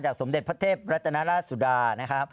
สมเด็จพระเทพรัตนาราชสุดานะครับ